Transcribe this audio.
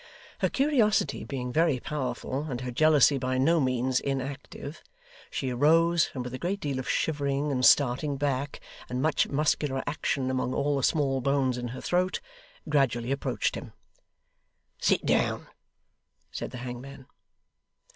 Her curiosity being very powerful, and her jealousy by no means inactive, she arose, and with a great deal of shivering and starting back, and much muscular action among all the small bones in her throat, gradually approached him. 'Sit down,' said the hangman.